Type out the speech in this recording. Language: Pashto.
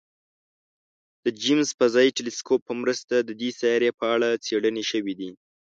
د جیمز فضايي ټیلسکوپ په مرسته د دې سیارې په اړه څېړنې شوي دي.